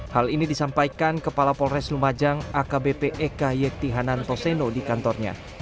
hal ini disampaikan kepala polres lumajang akbp eka yektihanan toseno di kantornya